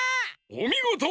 おみごと！